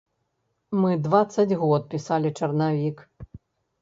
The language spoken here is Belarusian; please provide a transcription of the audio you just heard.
Мы дваццаць год пісалі чарнавік!